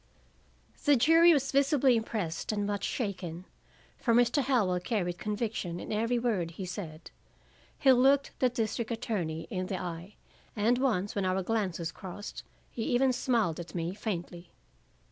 The jury was visibly impressed and much shaken. For Mr. Howell carried conviction in every word he said; he looked the district attorney in the eye, and once when our glances crossed he even smiled at me faintly.